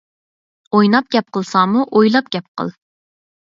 ئويناپ گەپ قىلساڭمۇ ئويلاپ گەپ قىل.